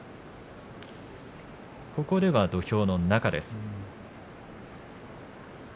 ここでは土俵の中です。